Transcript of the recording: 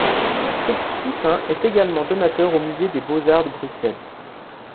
Fritz Toussaint est également donateur aux Musées des Beaux-Arts de Bruxelles.